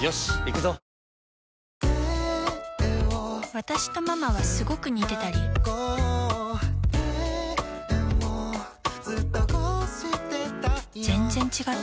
私とママはスゴく似てたり全然違ったり